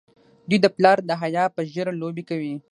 دوی د پلار د حیا په ږیره لوبې کوي.